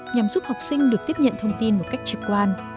nhằm giúp học sinh được tiếp nhận thông tin một cách trực quan